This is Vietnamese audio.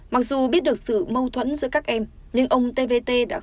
mặc dù biết được sự mâu thuẫn giữa các em nhưng ông tvt đã có